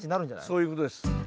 そういうことです。